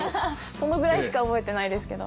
そのぐらいしか覚えてないですけど。